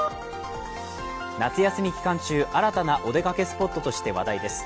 夏休み期間中、新たなお出かけスポットとして話題です。